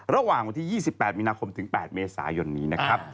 ระหว่างวันที่๒๘มีนาคมถึง๘เมษายนนี้นะครับ